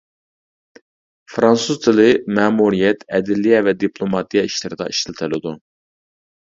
فىرانسۇز تىلى مەمۇرىيەت، ئەدلىيە ۋە دىپلوماتىيە ئىشلىرىدا ئىشلىتىلىدۇ.